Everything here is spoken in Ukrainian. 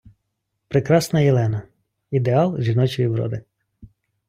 Прекрасна Єлена - ідеал жіночої вроди